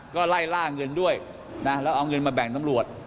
ก็ไล่ล่าเงินด้วยนะแล้วเอาเงินมาแบ่งตำรวจ